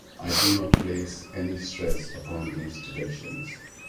I do not place any stress upon these deductions.